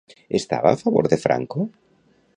Estava a favor de Franco?